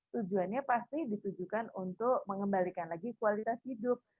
tujuannya pasti ditujukan untuk mengembalikan lagi kualitas hidup